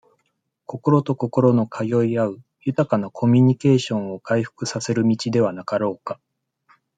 心と心の通い合う、豊かなコミュニケーションを回復させる道ではなかろうか。